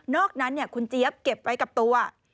อกนั้นคุณเจี๊ยบเก็บไว้กับตัว